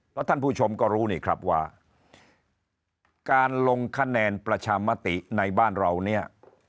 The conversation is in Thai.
แล้วท่านผู้ชมก็รู้นี่ครับว่าการลงคะแนนประชามติในบ้านเราเนี่ย